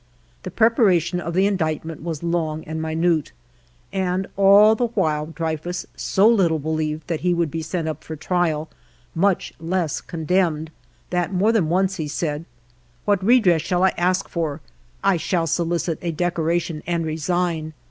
The preparation of the indictment was long and minute, and all the while Dreyfus so little believed that he would be sent up for trial, much less con demned, that more than once he said: — "What redress shall I ask for? I shall solicit a decoratign, and resign.